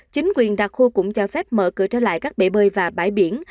chính quyền đặc khu cũng cho phép mở cửa trở lại các bể bơi và bãi biển